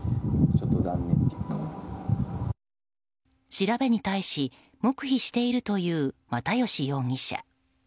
調べに対し黙秘しているという又吉容疑者。